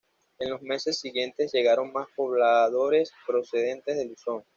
En los meses siguientes llegaron mas pobladores procedentes de Luzón.